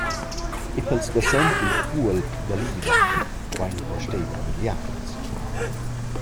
E pels da Sent il Cuvel da l’Iva … Quai nu cuostaiva milliards.